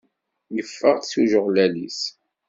Yeffeɣ-d seg ujeɣlal-is.